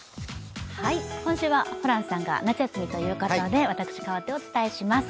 今週はホランさんが夏休みということで、私、代わってお伝えします。